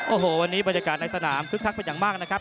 โอ้โหวันนี้บรรยากาศในสนามคึกคักเป็นอย่างมากนะครับ